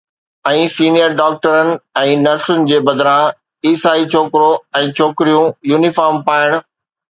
۽ senior ڊاڪٽرن ۽ نرسن جي بدران، عيسائي ڇوڪرو ۽ ڇوڪريون يونيفارم پائڻ